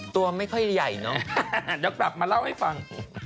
ตัวไม่ค่อยใหญ่เนอะเดี๋ยวกลับมาเล่าให้ฟัง